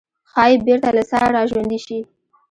ښايي بېرته له سره راژوندي شي.